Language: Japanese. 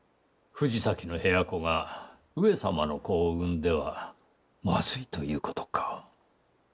藤崎の部屋子が上様の子を産んではまずいという事か。